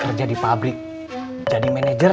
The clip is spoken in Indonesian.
kerja di pabrik jadi manajer